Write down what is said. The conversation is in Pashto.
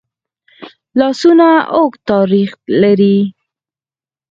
لاسونه اوږد تاریخ لري